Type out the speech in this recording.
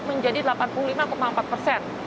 menjadi tingkat efekasinya